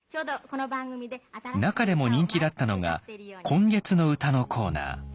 中でも人気だったのが「今月の歌」のコーナー。